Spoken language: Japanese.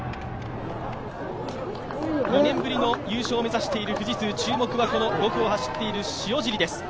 ２年ぶりの優勝を目指している富士通、注目は５区を走っている塩尻です。